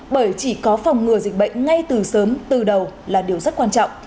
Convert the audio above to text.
bởi chỉ có phòng ngừa dịch bệnh ngay từ sớm từ đầu là điều rất quan trọng